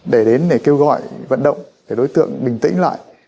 để đến để kêu gọi vận động để đối tượng bình tĩnh lại